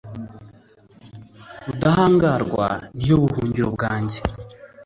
rudahangarwa, ni yo buhungiro bwanjye